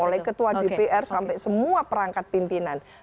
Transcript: oleh ketua dpr sampai semua perangkat pimpinan